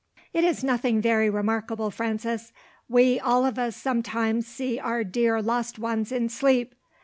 "It is nothing very remarkable, Frances. We all of us sometimes see our dear lost ones in sleep.